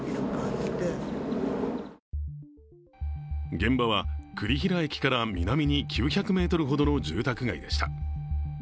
現場は、栗平駅から南に９００ｍほどの住宅街でした。